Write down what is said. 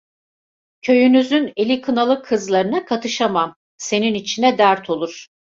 Köyünüzün eli kınalı kızlarına katışamam, senin içine dert olur…